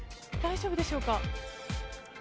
大丈夫でしょうか。